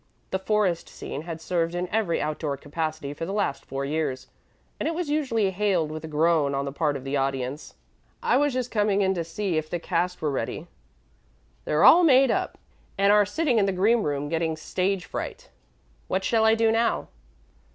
The "forest scene" had served in every outdoor capacity for the last four years, and it was usually hailed with a groan on the part of the audience. "I was just coming in to see if the cast were ready," said Georgie. "They're all made up, and are sitting in the green room getting stage fright. What shall I do now?"